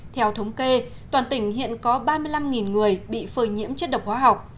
theo thống kê toàn tỉnh hiện có ba mươi năm người bị phơi nhiễm chất độc hóa học